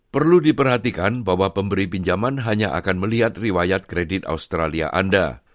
perlu diperhatikan bahwa pemberi pinjaman hanya akan melihat riwayat kredit australia anda